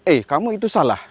eh kamu itu salah